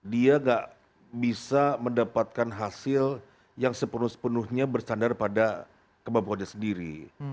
dia nggak bisa mendapatkan hasil yang sepenuh sepenuhnya bersandar pada kebapak wajah sendiri